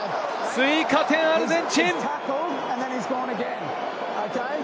追加点はアルゼンチン！